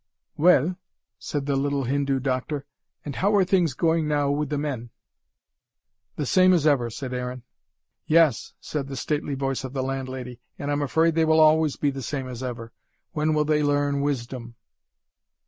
"Well," said the little Hindu doctor, "and how are things going now, with the men?" "The same as ever," said Aaron. "Yes," said the stately voice of the landlady. "And I'm afraid they will always be the same as ever. When will they learn wisdom?"